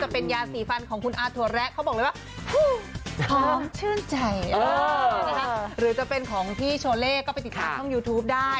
จะเป็นยาสีฟันของคุณอาฮัล์ดตัวราก่อนเลยว่าพร้อมชื่นใจได้นะคะหรือจะเป็นของที่โชเล่ก็ไปกลางยูทูปได้